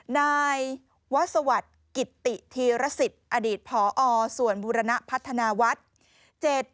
นายวัศวัฒน์กิตติธีรศิษย์อดีตพอส่วนบุรณพัฒนาวัฒน์